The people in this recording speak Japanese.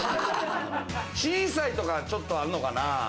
小さいとか、ちょっとあんのかな？